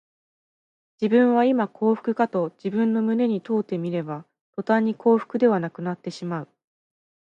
自分はいま幸福かと自分の胸に問うてみれば、とたんに幸福ではなくなってしまう